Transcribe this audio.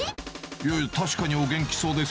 いやいや、確かにお元気そうです。